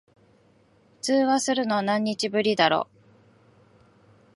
通話するの、何日ぶりだろ。